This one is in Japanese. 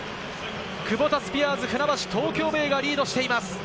クボタスピアーズ船橋・東京ベイがリードしています。